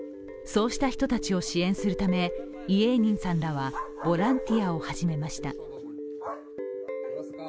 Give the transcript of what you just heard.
そうした人たちを支援するため、イエーニンさんらはボランティアを始めました。